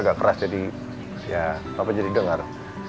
agak keras jadi ya papa jadi dengar